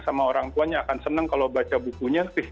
sama orang tuanya akan senang kalau baca bukunya sih